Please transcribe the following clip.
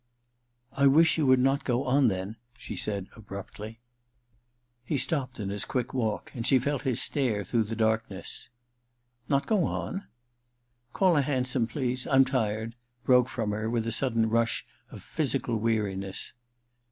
* I wish you would not go on, then,' she said abruptly. He stopped in his quick walk, and she felt his stare through the darkness. * Not go on ?'* Call a hansom, please. I'm tired,' broke from her with a sudden rush of physical weariness.